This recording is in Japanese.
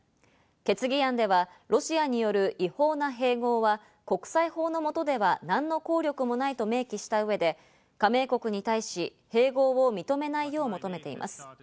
決議案ではロシアによる違法な併合は国際法の下では何の効力もないと明記した上で、加盟国に対し、併合を認めないよう求めています。